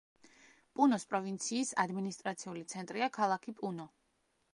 პუნოს პროვინციის ადმინისტრაციული ცენტრია ქალაქი პუნო.